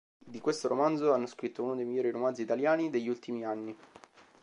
Di questo romanzo hanno scritto: "Uno dei migliori romanzi italiani degli ultimi anni.